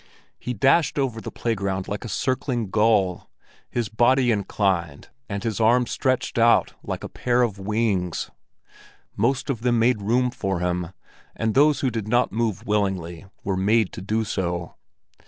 He dashed over the playground like a circling gull, his body inclined and his arms stretched out like a pair of wings. Most of them made room for him, and those who did not move willingly were made to do so.